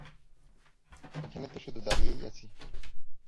এখানে তো শুধু দাঁড়িয়েই আছি!